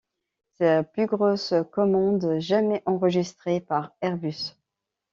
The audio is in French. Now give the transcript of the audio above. C'est la plus grosse commande jamais enregistrée par Airbus.